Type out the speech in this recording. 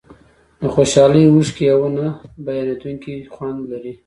د خوشحالۍ اوښکې یو نه بیانېدونکی خوند لري.